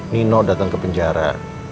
nino datang ke penjara